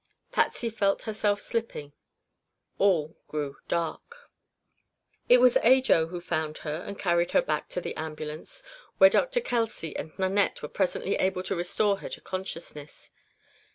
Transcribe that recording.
Patsy felt herself slipping.... All grew dark. It was Ajo who found her and carried her back to the ambulance, where Dr. Kelsey and Nanette were presently able to restore her to consciousness.